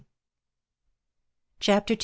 CHAPTER II.